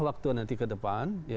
waktu nanti ke depan